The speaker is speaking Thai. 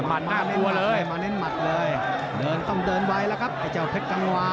ในการเท่าที่มันมาเที้ยงมัดเลยต้องเดินไว้แล้วครับ